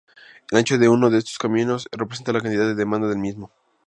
El ancho de uno de estos caminos representa la cantidad de demanda del mismo.